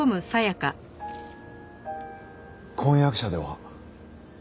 婚約者では？